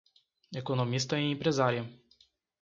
Economista e empresária